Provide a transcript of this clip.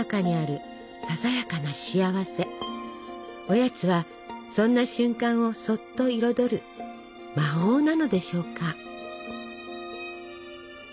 おやつはそんな瞬間をそっと彩る魔法なのでしょうか。